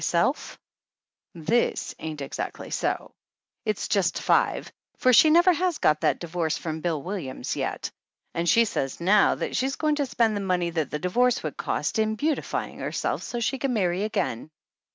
164 THE ANNALS OF ANN This ain't exactly so, it's just five, for she never has got that divorce from Bill Williams yet ; and she says now that she's going to spend the money that the divorce would cost in beau tifying herself so she can marry again.